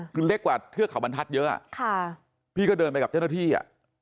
คือเล็กกว่าเทือกเขาบรรทัศน์เยอะพี่ก็เดินไปกับเจ้าหน้าที่อ่ะ